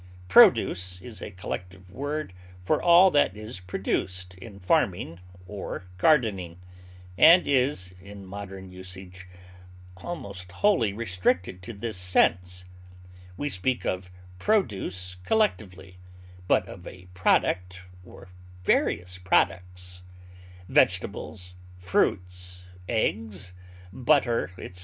Produce is a collective word for all that is produced in farming or gardening, and is, in modern usage, almost wholly restricted to this sense; we speak of produce collectively, but of a product or various products; vegetables, fruits, eggs, butter, etc.